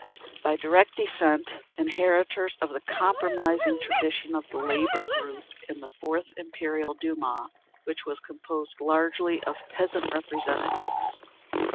By direct descent, inheritors of the compromising tradition of the Labour Group in the Fourth Imperial Duma, which was composed largely of peasant representatives.